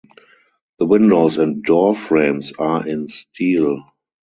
The windows and door frames are in steel.